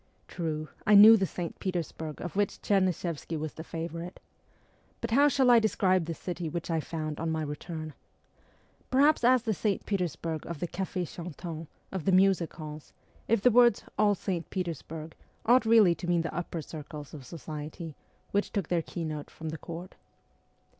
True, I knew the St. Petersburg of which Chernyshevsky was the favourite. But how shall I describe the city which I found on my return ? Perhaps as the St. Petersburg of the cqf&s chantants, of the music halls, if the words ' all St. Petersburg ' ought really to mean the upper circles of society, which took their keynote from the Court.